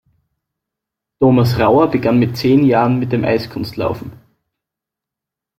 Thomas Rauer begann mit zehn Jahren mit dem Eiskunstlaufen.